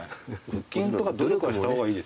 腹筋とか努力はした方がいいですよね。